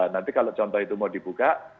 nanti kalau contoh itu mau dibuka